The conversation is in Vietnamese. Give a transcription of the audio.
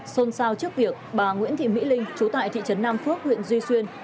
xôn xao trước việc bà nguyễn thị mỹ linh chú tại thị trấn nam phước huyện duy xuyên